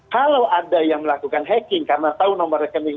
kalau ada yang melakukan hacking karena tahu nomor rekening